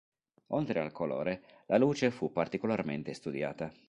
Oltre al colore, la luce fu particolarmente studiata.